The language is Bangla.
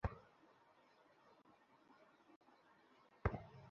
সেটা আমার জন্য পরে সমস্যা হয়ে যাবে।